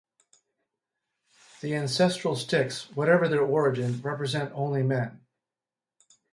The ancestral sticks, whatever their origin, represent only men.